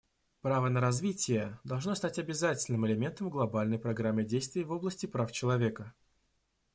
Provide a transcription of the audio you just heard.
Право на развитие должно стать обязательным элементом глобальной программы действий в области прав человека.